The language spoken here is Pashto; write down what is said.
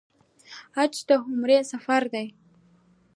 حج د عمر سفر دی